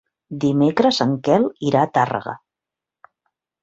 Dimecres en Quel irà a Tàrrega.